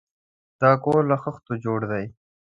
دا کور له خښتو جوړ دی.